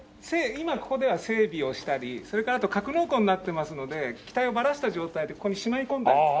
今ここでは整備をしたりそれからあと格納庫になってますので機体をバラした状態でここにしまい込んでるんです。